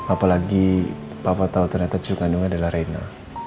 apalagi papa tau ternyata cucu kandungnya adalah rina